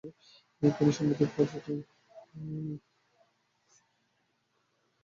তিনি সাংবাদিকতার কাজ নেন।